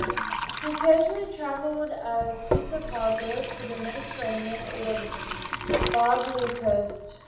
He occasionally travelled as supercargo to the Mediterranean or the Barbary Coast.